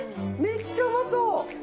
めっちゃうまそう！